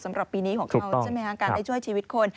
สำหรับปีนี้ของเขาใช่ไหมคะการได้ช่วยชีวิตคน